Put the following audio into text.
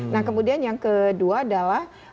nah kemudian yang kedua adalah